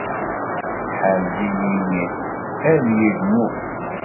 Ḥrez-iyi mmi ad yegmu.